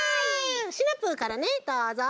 シナプーからねどうぞ。